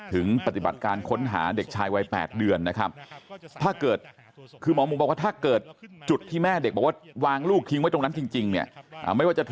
ถึงปฏิบัติการค้นหาเด็กชายวัย๘เดือนนะครับ